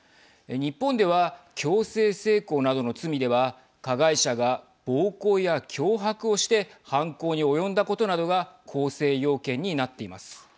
日本では強制性交などの罪では加害者が暴行や脅迫をして犯行に及んだことなどが構成要件になっています。